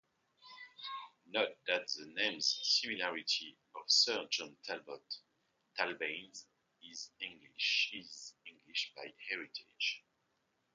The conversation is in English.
Note also the name's similarity to Sir Jon Talbot; Talbain is English by heritage.